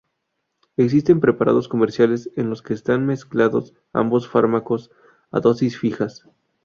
Existen preparados comerciales en los que están mezclados ambos fármacos a dosis fijas.